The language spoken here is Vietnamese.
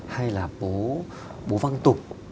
hay là bố văng tục